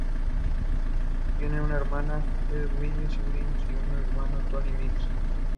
Typically older branches and the trunk do not have thorns.